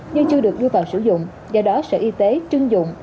nhưng chưa được đưa vào sử dụng do đó sở y tế trưng dụng